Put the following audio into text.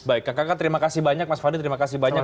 baik kakak kakak terima kasih banyak mas fadli terima kasih banyak